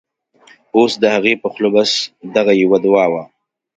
اوس د هغې په خوله بس، دغه یوه دعاوه